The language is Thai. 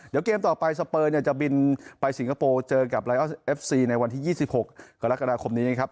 เดี๋ยวเกมต่อไปสเปอร์เนี่ยจะบินไปสิงคโปร์เจอกับไลออสเอฟซีในวันที่๒๖กรกฎาคมนี้ครับ